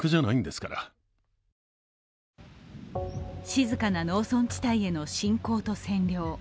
静かな農村地帯への侵攻と占領。